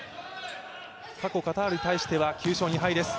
過去、カタールに対しては９勝２敗です。